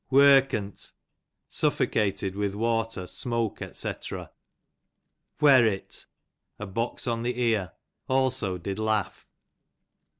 Wherkn't, suffocated with water, smoke, Sc. Wherrit, a box on the ear; also did laugh.